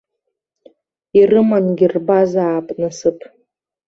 Ирымангьы рбазаап насыԥ.